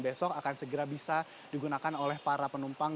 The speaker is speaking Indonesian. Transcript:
bisa digunakan oleh para penumpang